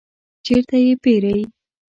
چیرته یی پیرئ؟